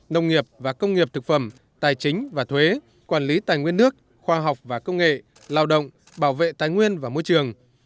nông nghiệp và công nghiệp thực phẩm tài chính và thuế quản lý tài nguyên nước khoa học và công nghệ lao động bảo vệ tài nguyên và môi trường